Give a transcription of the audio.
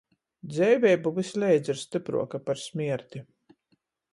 Dzeiveiba vysleidza ir stypruoka par smierti.